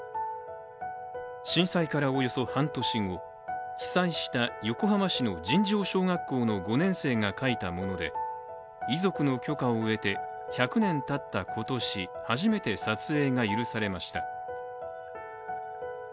震災からおよそ半年後被災した横浜市の尋常小学校の５年生が書いたもので遺族の許可を得て、１００年たった今年、初めて撮影が許されました。